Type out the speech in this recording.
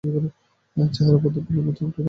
চেহারা পদ্মফুলের মতো ফুটে থাকবে।